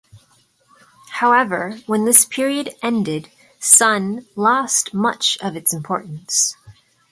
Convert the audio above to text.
However, when this period ended, Son lost much of its importance.